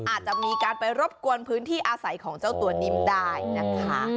อาจจะมีการไปรบกวนพื้นที่อาศัยของเจ้าตัวนิ่มได้นะคะ